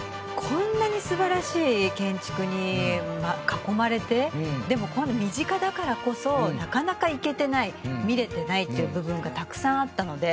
こんなに素晴らしい建築に囲まれてでも身近だからこそなかなか行けてない見れてないっていう部分がたくさんあったので。